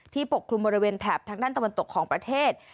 ปกคลุมบริเวณแถบทางด้านตะวันตกของประเทศ